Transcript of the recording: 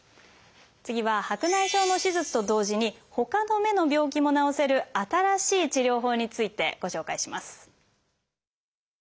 次は白内障の手術と同時にほかの目の病気も治せる新しい治療法についてご紹介します。